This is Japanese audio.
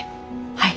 はい。